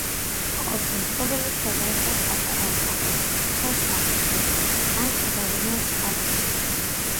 ყოფილ მფლობელებს გადაეცათ პატარა ოთახები საკუთარ სახლში, ან გადავიდნენ სხვა ბინებში.